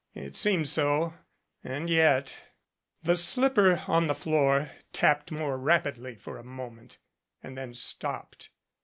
It seemed so and yet The slipper on the floor tapped more rapidly for a moment and then stopped.